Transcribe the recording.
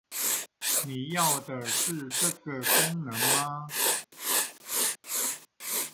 你要的是這個功能嗎？